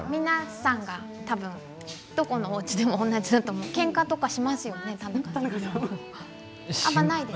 皆さんがどこのおうちでも同じだと思うんですけど、けんかとかしますよね田中さんも。